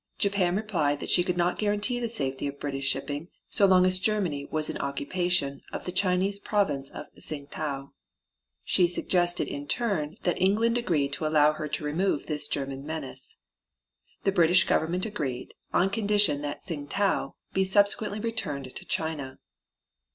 Japan replied that she could not guarantee the safety of British shipping so long as Germany was in occupation of the Chinese province of Tsing tau. She suggested in turn that England agree to allow her to remove this German menace. The British Government agreed, on the condition that Tsing tau be subsequently returned to China.